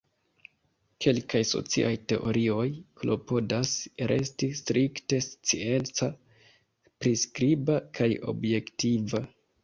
Kelkaj sociaj teorioj klopodas resti strikte scienca, priskriba, kaj objektiva.